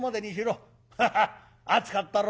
ハハハッ暑かったろ。